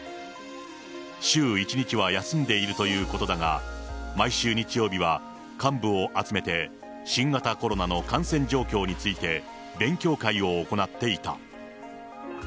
週１日は休んでいるということだが、毎週日曜日は幹部を集めて、新型コロナの感染状況について、勉強会を行っていた。